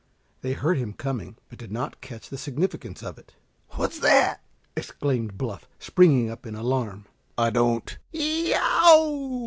They heard him coming, but did not catch the significance of it. "What's that!" exclaimed Bluff, springing up in alarm. "I don " "Y e o w!"